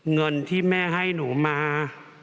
เงินที่แม่ให้หนูมา